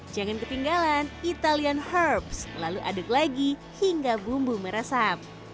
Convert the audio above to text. jangan ketinggalan italian herbs lalu aduk lagi hingga bumbu meresap